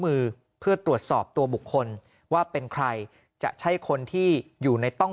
มือเพื่อตรวจสอบตัวบุคคลว่าเป็นใครจะใช่คนที่อยู่ในต้อง